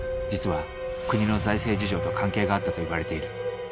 実は国の財政事情と関係があったといわれている。